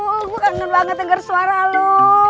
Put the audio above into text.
gue kangen banget denger suara lo